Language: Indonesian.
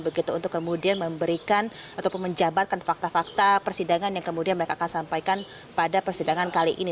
begitu untuk kemudian memberikan ataupun menjabarkan fakta fakta persidangan yang kemudian mereka akan sampaikan pada persidangan kali ini